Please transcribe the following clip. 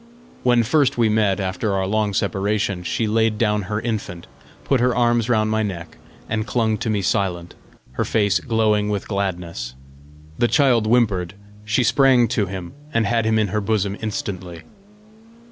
When first we met after our long separation, she laid down her infant, put her arms round my neck, and clung to me silent, her face glowing with gladness: the child whimpered; she sprang to him, and had him in her bosom instantly.